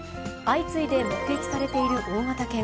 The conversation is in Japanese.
相次いで目撃されている大型犬。